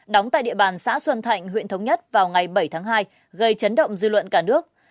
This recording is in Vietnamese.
đóng tại địa bàn xã xuân thạnh huyện thống nhất vào ngày bảy tháng hai gây chấn động dư luận cả nước